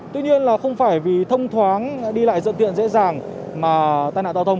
tuy nhiên không phải vì thông thoáng đi lại dựa tiện dễ dàng mà tai nạn giao thông